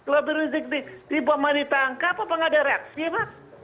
lebih rizik di bawah manita angka apa enggak ada reaksi pak